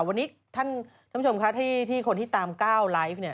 วันนี้ท่านผู้ชมคะที่คนที่ตามก้าวไลฟ์เนี่ย